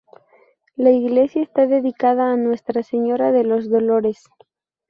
La iglesia está dedicada a Nuestra Señora de los Dolores.